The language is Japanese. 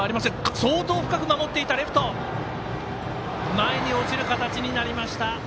前に落ちる形になりました。